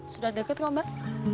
sudah deket gak mbak